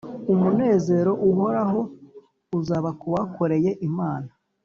Umunezero uhoraho uzaba ku bakoreye Imana